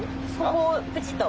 ここをカチッと。